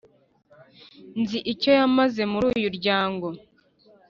nzi icyo yamaze muruyu ryango